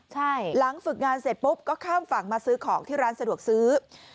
ใช่หลังฝึกงานเสร็จปุ๊บก็ข้ามฝั่งมาซื้อของที่ร้านสะดวกซื้อ